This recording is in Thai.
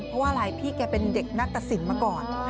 เพราะว่าอะไรพี่แกเป็นเด็กนักตัดสินมาก่อน